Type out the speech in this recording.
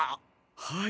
はい。